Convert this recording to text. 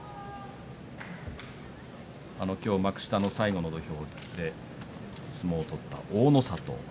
今日、幕下の最後の土俵で相撲を取った大の里。